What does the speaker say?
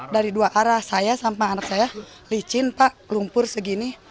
dari dua arah saya sampai anak saya licin pak lumpur segini